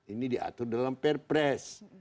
ini diatur dalam perpres